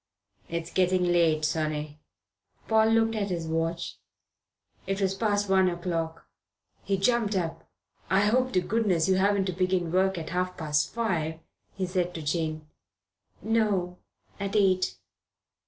"It's getting late, sonny." Paul looked at his watch. It was past one o'clock. He jumped up. "I hope to goodness you haven't to begin work at half past five," he said to Jane. "No. At eight."